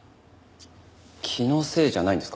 気のせいじゃないんですか？